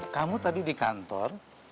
kamu tadi di kantor